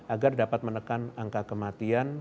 agar dapat menekan angka kematian